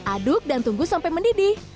aduk dan tunggu sampai mendidih